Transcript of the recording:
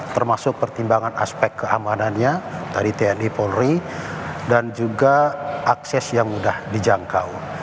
termasuk pertimbangan aspek keamanannya dari tni polri dan juga akses yang mudah dijangkau